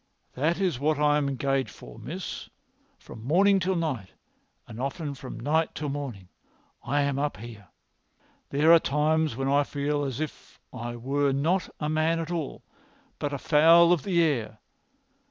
"That is what I am engaged for, miss. From morning to night, and often from night to morning, I am up here. There are times when I feel as if I were not a man at all, but a fowl of the air.